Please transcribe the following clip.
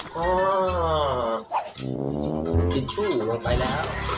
กินประโยชน์ลงไปแล้ว